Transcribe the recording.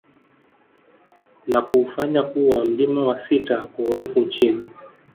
Na kuufanya kuwa mlima wa sita kwa urefu nchini